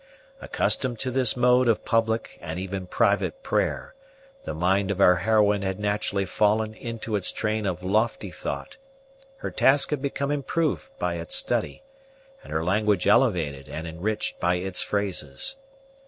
Accustomed to this mode of public and even private prayer, the mind of our heroine had naturally fallen into its train of lofty thought; her task had become improved by its study, and her language elevated and enriched by its phrases.